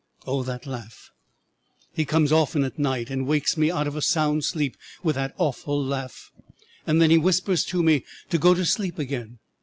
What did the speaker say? Oh, that laugh! He comes often at night and wakes me out of a sound sleep with that awful laugh, and then he whispers to me to go to sleep again.